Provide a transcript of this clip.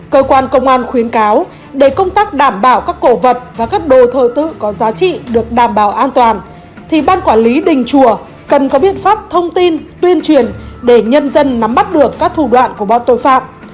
cơ quan công an khuyến cáo để công tác đảm bảo các cổ vật và các đồ thờ tự có giá trị được đảm bảo an toàn thì ban quản lý đình chùa cần có biện pháp thông tin tuyên truyền để nhân dân nắm bắt được các thủ đoạn của bọn tội phạm